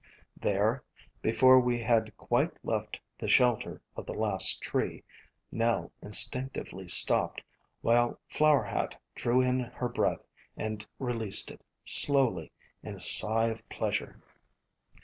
There, before we had quite left the shelter of the last tree, Nell instinctively stopped, while Flower Hat drew in her breath and released it slowly in a sigh of pleasure.